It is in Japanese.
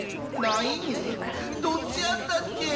どっちやったっけ？